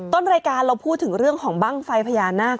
ต้นรายการเราพูดถึงเรื่องของบ้างไฟพญานาค